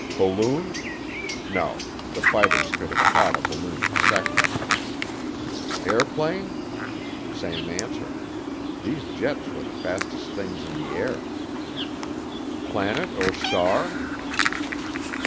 Balloon? No, the fighters could have caught a balloon in seconds. Airplane? Same answer. These jets were the fastest things in the air. Planet or star?